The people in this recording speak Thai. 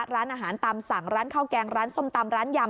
ร้านอาหารตามสั่งร้านข้าวแกงร้านส้มตำร้านยำ